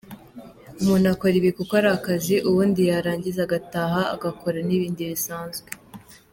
Umuntu akora ibi kuko ari akazi, ubundi yarangiza agataha agakora n’ibindi bisanzwe.